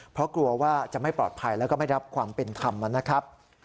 เพราะกลัวว่าจะไม่ปลอดภัยแล้วก็ไม่รับความเป็นธรรมนะครับ